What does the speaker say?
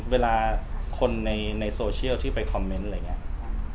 เวลาคนในโซเชียลที่ไปคอมเมนต์อะไรอย่างนี้